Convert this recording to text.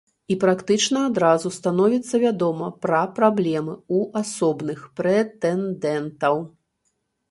І практычна адразу становіцца вядома пра праблемы ў асобных прэтэндэнтаў.